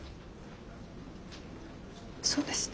そうですね。